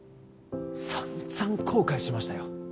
さんざん後悔しましたよ